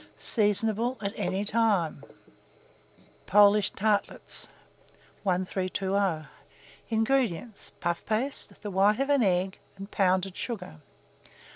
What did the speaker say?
Seasonable at any time. POLISH TARTLETS. 1320. INGREDIENTS. Puff paste, the white of an egg, pounded sugar.